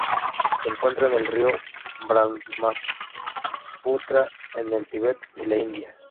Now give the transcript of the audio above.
Se encuentra en el río Brahmaputra en el Tíbet y la India.